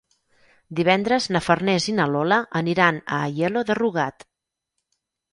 Divendres na Farners i na Lola aniran a Aielo de Rugat.